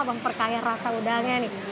memperkaya rasa udangnya nih